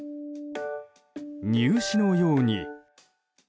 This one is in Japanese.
入試のように。